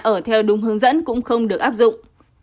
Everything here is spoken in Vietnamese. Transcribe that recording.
ở theo đúng hướng dẫn cũng không được áp dụng